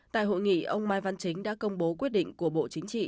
tại hội nghị ông mai văn chính đã công bố quyết định của bộ chính trị